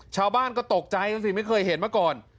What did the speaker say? ชาวบ้านก็ตกใจกันสิไม่เคยเห็นมาก่อน